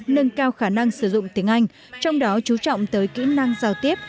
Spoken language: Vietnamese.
nâng cao khả năng sử dụng tiếng anh trong đó chú trọng tới kỹ năng giao tiếp